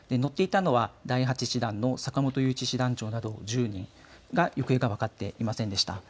乗っていたのは第８師団の坂本雄一師団長など１０人の行方が分かっていませんでした。